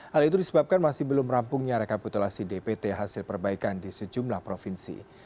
hal itu disebabkan masih belum rampungnya rekapitulasi dpt hasil perbaikan di sejumlah provinsi